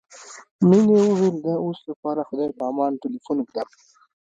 مينې وويل د اوس لپاره خدای په امان ټليفون ږدم.